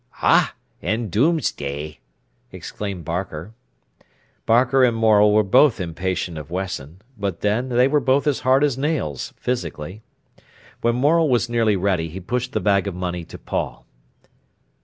"Ah, an' Doomsday!" exclaimed Barker. Barker and Morel were both impatient of Wesson. But, then, they were both as hard as nails, physically. When Morel was nearly ready he pushed the bag of money to Paul.